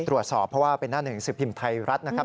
ตรวจสอบเพราะว่าเป็นหน้าหนึ่งสิบพิมพ์ไทยรัฐนะครับ